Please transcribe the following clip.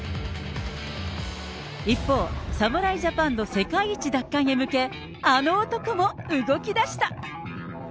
一方、侍ジャパンの世界一奪還に向け、あの男も動き出した。